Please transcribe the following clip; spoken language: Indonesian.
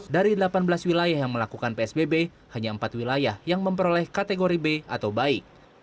dari delapan belas wilayah yang melakukan psbb hanya empat wilayah yang memperoleh kategori b atau baik